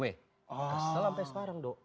kesel sampai sekarang dong